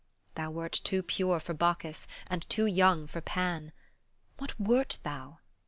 Thou wert too pure for Bacchus, and too young for Pan. What wert thou?